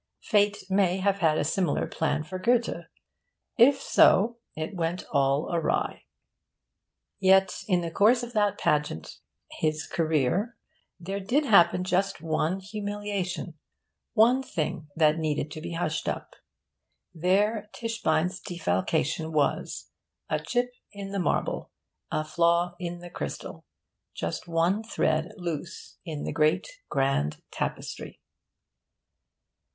Fate may have had a similar plan for Goethe; if so, it went all agley. Yet, in the course of that pageant, his career, there did happen just one humiliation one thing that needed to be hushed up. There Tischbein's defalcation was; a chip in the marble, a flaw in the crystal, just one thread loose in the great grand tapestry.